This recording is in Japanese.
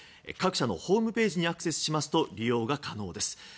各社のホームページにアクセスしますと利用が可能です。